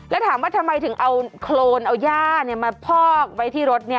แล้วถามว่าทำไมถึงเอาโครนเอาย่ามาพอกไว้ที่รถ